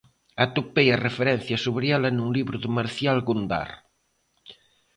Atopei a referencia sobre ela nun libro de Marcial Gondar.